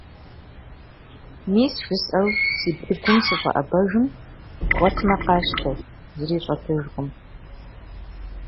- Мис, - жысӀэу си блыгум сыщӀэӀэбэжым - бгъуэтмэ къащтэ, зыри щӀэлъыжкъым.